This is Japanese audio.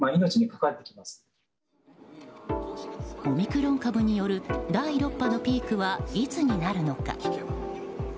オミクロン株による第６波のピークはいつになるのか。